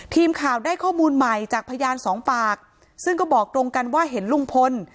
ทีมข่าวได้ข้อมูลใหม่จากพยานสองปากซึ่งก็บอกตรงกันว่าเห็นลุงพล